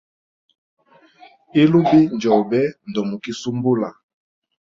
Ilubi njobe, ndomikisumbula.